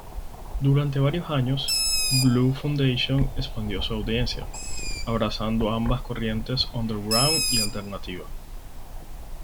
Durante varios años, Blue Foundation expandió su audiencia, abrazando ambas corrientes underground y alternativa.